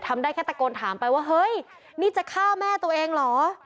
ได้แค่ตะโกนถามไปว่าเฮ้ยนี่จะฆ่าแม่ตัวเองเหรอ